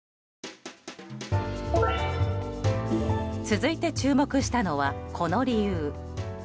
続いて注目したのはこの理由。